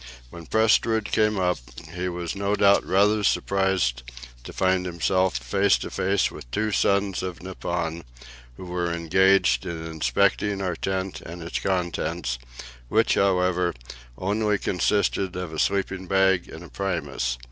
When Prestrud came up, he was no doubt rather surprised to find himself face to face with two sons of Nippon, who were engaged in inspecting our tent and its contents, which, however, only consisted of a sleeping bag and a Primus.